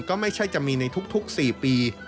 ก็ไม่ใช่จะมีในทุก๔ปี